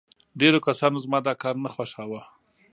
ډېرو کسانو زما دا کار نه خوښاوه